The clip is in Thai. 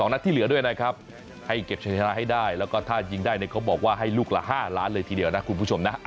นัดที่เหลือด้วยนะครับให้เก็บชัยชนะให้ได้แล้วก็ถ้ายิงได้เนี่ยเขาบอกว่าให้ลูกละ๕ล้านเลยทีเดียวนะคุณผู้ชมนะ